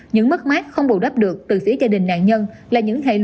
những mất mát không đủ đáp được từ phía gia đình nạn nhân